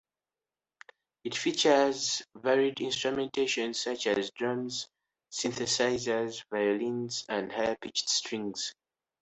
It features varied instrumentation, such as drums, synthesizers, violins and high-pitched strings.